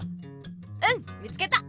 うん見つけた！